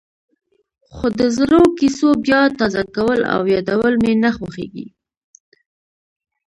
خو د زړو کېسو بیا تازه کول او یادول مې نه خوښېږي.